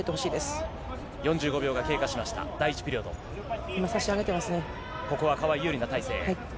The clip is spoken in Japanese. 今、ここは川井、有利な体勢。